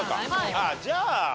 ああじゃあ。